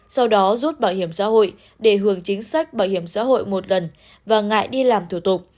sau đó rút bảo hiểm xã hội để hưởng chính sách bảo hiểm xã hội một lần và ngại đi làm thủ tục